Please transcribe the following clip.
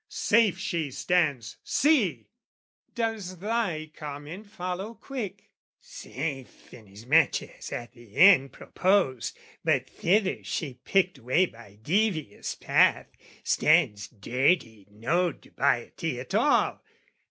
Safe She stands, see! Does thy comment follow quick "Safe, inasmuch as at the end proposed; "But thither she picked way by devious path "Stands dirtied, no dubiety at all!